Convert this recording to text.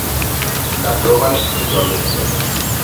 Da giovane studiò legge.